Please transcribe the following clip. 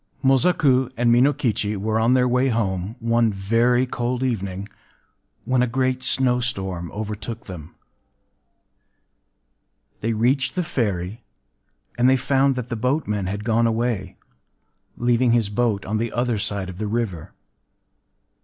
Mosaku and Minokichi were on their way home, one very cold evening, when a great snowstorm overtook them. They reached the ferry; and they found that the boatman had gone away, leaving his boat on the other side of the river.